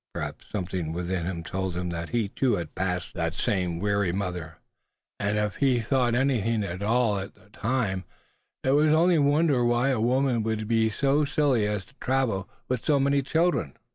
Perhaps something within told him that he too had passed that same weary mother; and if he thought anything at all at the time it was only to wonder why a woman could be so silly as to travel with so many children.